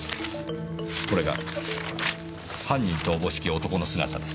これが犯人とおぼしき男の姿です。